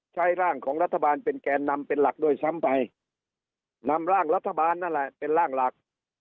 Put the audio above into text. ร่างของรัฐบาลเป็นแกนนำเป็นหลักด้วยซ้ำไปนำร่างรัฐบาลนั่นแหละเป็นร่างหลัก